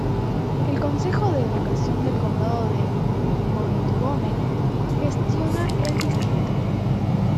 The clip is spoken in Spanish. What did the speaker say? El Consejo de Educación del Condado de Montgomery gestiona el distrito.